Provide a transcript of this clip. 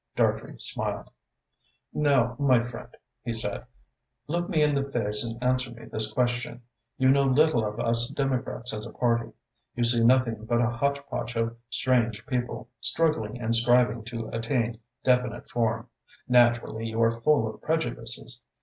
Dartrey smiled. "Now, my friend," he said, "look me in the face and answer me this question. You know little of us Democrats as a party. You see nothing but a hotchpotch of strange people, struggling and striving to attain definite form. Naturally you are full of prejudices.